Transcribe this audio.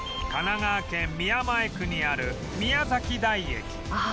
神奈川県宮前区にある宮崎台駅